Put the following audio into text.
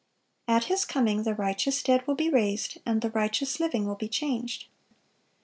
(526) At His coming the righteous dead will be raised, and the righteous living will be changed.